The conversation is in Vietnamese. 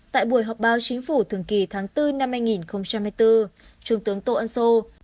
tại buổi họp báo chính phủ thường kỳ tháng bốn năm hai nghìn hai mươi bốn trung tướng tô ân sô